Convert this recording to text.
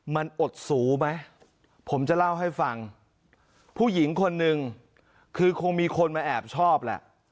มันอดสูไหมผมจะเล่าให้ฟังผู้หญิงคนหนึ่งคือคงมีคนมาแอบชอบแหละ